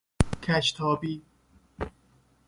کج تابی